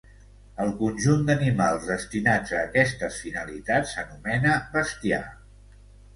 El conjunt d'animals destinats a aquestes finalitats s'anomena bestiar.